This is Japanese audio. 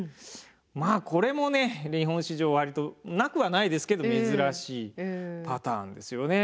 まあこれもね日本史上割となくはないですけど珍しいパターンですよね。